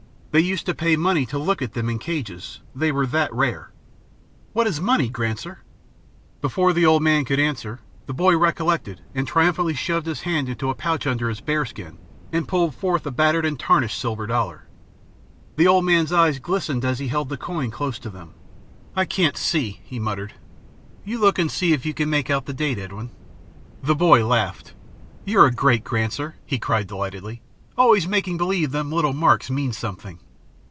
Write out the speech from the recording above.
They used to pay money to look at them in cages, they were that rare." "What is money, Granser?" Before the old man could answer, the boy recollected and triumphantly shoved his hand into a pouch under his bear skin and pulled forth a battered and tarnished silver dollar. The old man's eyes glistened, as he held the coin close to them. "I can't see," he muttered. "You look and see if you can make out the date, Edwin." The boy laughed. "You're a great Granser," he cried delightedly, "always making believe them little marks mean something."